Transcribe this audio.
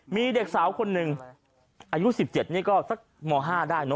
มีเด็กสาวคนหนึ่งอายุ๑๗นี่ก็สักม๕ได้เนอ